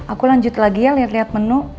aku lanjut lagi ya lihat lihat menu